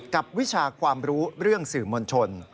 วิชาความรู้เรื่องสื่อมวลชน